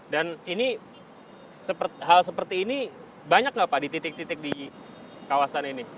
dan hal seperti ini banyak nggak pak di titik titik di kawasan ini